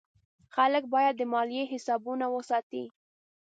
خلک باید د مالیې حسابونه وساتي.